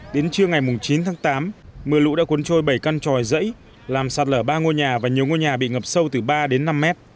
đến trưa ngày chín tháng tám mưa lũ đã cuốn trôi bảy căn tròi dãy làm sạt lở ba ngôi nhà và nhiều ngôi nhà bị ngập sâu từ ba đến năm mét